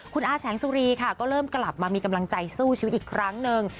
คุณอาแสงสุรีค่ะก็เริ่มกลับมามีกำลังใจสู้ชีวิตอีกครั้งหนึ่ง